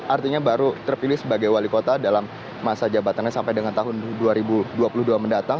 artinya baru terpilih sebagai wali kota dalam masa jabatannya sampai dengan tahun dua ribu dua puluh dua mendatang